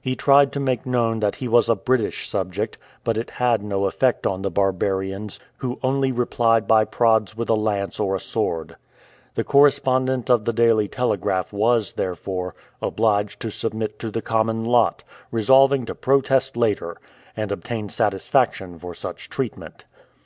He tried to make known that he was a British subject; but it had no effect on the barbarians, who only replied by prods with a lance or sword. The correspondent of the Daily Telegraph was, therefore, obliged to submit to the common lot, resolving to protest later, and obtain satisfaction for such treatment.